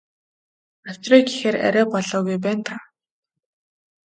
Авчиръя гэхээр арай болоогүй байна даа.